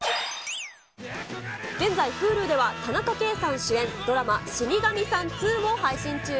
現在、Ｈｕｌｕでは、田中圭さん主演、ドラマ、死神さん２を配信中。